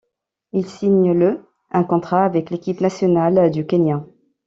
Il signe le un contrat avec l'équipe nationale du Kenya.